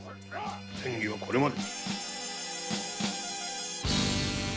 詮議はこれまで。